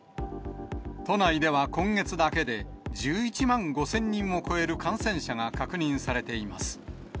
都内では今月だけで、１１万５０００人を超える感染者が確認されています。